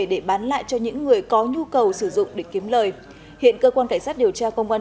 để bán lại cho những người có nhu cầu sử dụng để kiếm lời hiện cơ quan cảnh sát điều tra công an